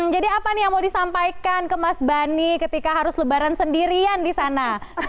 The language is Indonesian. jadi apa nih yang mau disampaikan ke mas bani ketika harus lebaran sendirian di sana